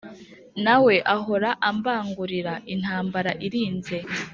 Nawe ahora ambangurira intambara irinze.